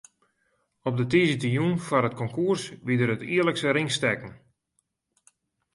Op de tiisdeitejûn foar it konkoers wie der it jierlikse ringstekken.